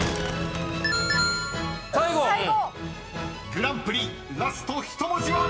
［グランプリラスト１文字は］